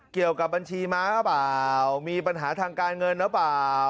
เกี่ยวกับบัญชีม้าหรือเปล่ามีปัญหาทางการเงินหรือเปล่า